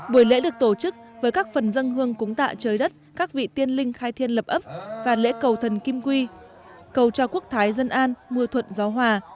buổi lễ được tổ chức với các phần dân hương cúng tạ trời đất các vị tiên linh khai thiên lập ấp và lễ cầu thần kim quy cầu cho quốc thái dân an mưa thuận gió hòa